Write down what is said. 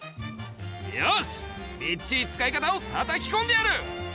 よしみっちり使い方をたたきこんでやる！